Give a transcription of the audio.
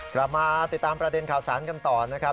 กลับมาติดตามประเด็นข่าวสารกันต่อนะครับ